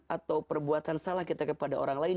atau perbuatan salah kita kepada orang lain